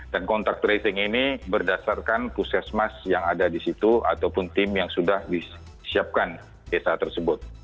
dan kontak tracing ini berdasarkan pusat mas yang ada di situ ataupun tim yang sudah disiapkan desa tersebut